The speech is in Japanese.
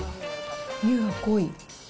乳が濃い。